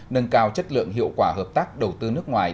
nâng cao chất lượng hiệu quả hợp tác đầu tư nước ngoài